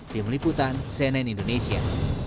di meliputan cnn indonesia